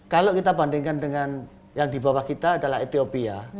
kalau kita bandingkan dengan yang di bawah kita adalah ethiopia